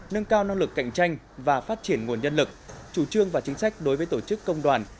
nâng cao năng lực cạnh tranh và phát triển nguồn nhân lực chủ trương và chính sách đối với tổ chức công đoàn